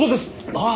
ああ！